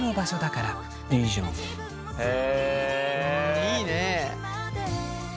いいね。